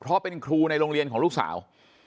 เพราะเป็นครูในโรงเรียนของลูกสาว